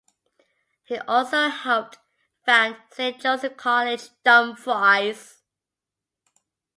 He also helped found Saint Joseph's College, Dumfries.